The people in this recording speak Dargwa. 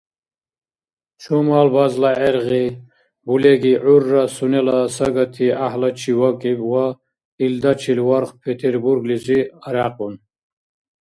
Чумал базла гӀергъи булеги гӀурра сунела сагати гӀяхӀлачи вакӀиб ва илдачил варх Петербурглизи арякьун.